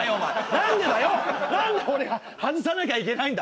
何で俺が外さなきゃいけないんだ？